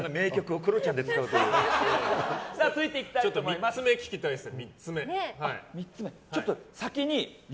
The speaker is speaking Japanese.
３つ目聞きたいです。